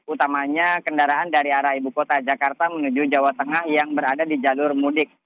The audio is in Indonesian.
utamanya kendaraan dari arah ibu kota jakarta menuju jawa tengah yang berada di jalur mudik